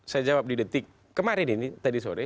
saya jawab di detik kemarin ini tadi sore